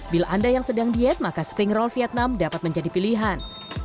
bila anda yang sedang diet maka spring roll vietnam dapat menjadi pilihan